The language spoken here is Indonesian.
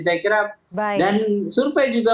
saya kira dan survei juga